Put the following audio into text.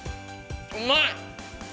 うまい！